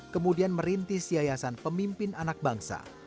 kemudian merintis yayasan pemimpin anak bangsa